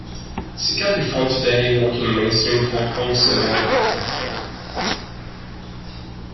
She can be found today working in mainstream Hong Kong cinema.